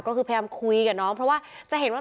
ลองไปดูบรรยากาศช่วงนั้นนะคะ